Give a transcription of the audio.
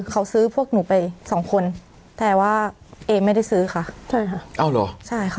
เขาซื้อพวกหนูไปสองคนแต่ว่าเอไม่ได้ซื้อค่ะใช่ค่ะเอาเหรอใช่ค่ะ